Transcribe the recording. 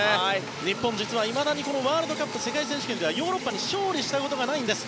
日本、実はいまだにワールドカップ世界選手権ではヨーロッパに勝利したことがないんです。